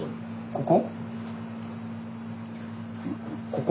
ここ？